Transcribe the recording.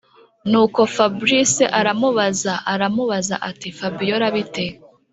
nuko fabric aramubaza aramubaza ati”fabiora bite